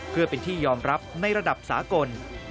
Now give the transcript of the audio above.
เพื่อเป็นที่ยอมรับในระดับสากล